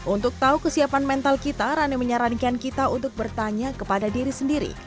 untuk tahu kesiapan mental kita rane menyarankan kita untuk bertanya kepada diri sendiri